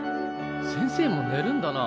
先生も寝るんだな。